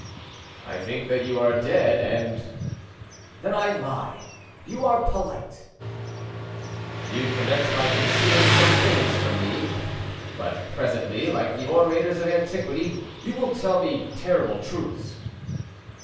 "I think that you are dead and—" "Then I lie; you are polite." "You commence by concealing some things from me; but presently, like the orators of antiquity, you will tell me terrible truths."